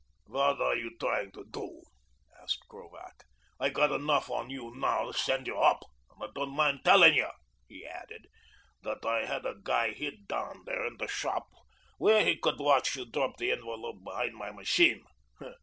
"What are you trying to do?" asked Krovac. "I got enough on you now to send you up, and I don't mind tellin' yuh," he added, "that I had a guy hid down there in the shop where he could watch you drop the envelope behind my machine.